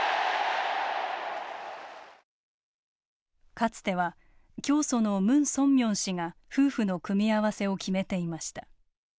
かつては教祖のムン・ソンミョン氏が夫婦の組み合わせを決めていました。